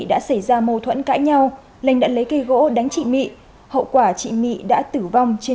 đã xảy ra mâu thuẫn cãi nhau lãnh đã lấy cây gỗ đánh chị mỹ hậu quả chị mỹ đã tử vong trên